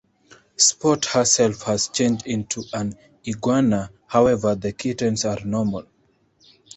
Spot herself has changed into an iguana; however, the kittens are normal.